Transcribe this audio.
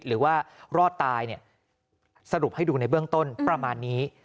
หรือว่ารอดตายเนี่ยสรุปให้ดูในเบื้องต้นประมาณนี้